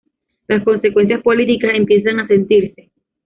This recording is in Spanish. Las consecuencias políticas empiezan a sentirse.